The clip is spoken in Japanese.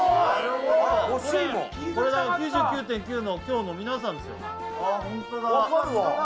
ほしいもんこれ「９９．９」の今日の皆さんですよああ